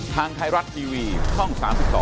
ทางไทยรัฐทีวีช่อง๓๒